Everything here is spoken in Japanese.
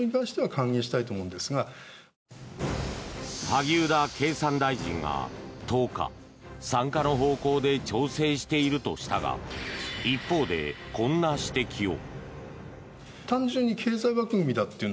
萩生田経産大臣が１０日参加の方向で調整しているとしたが一方で、こんな指摘を。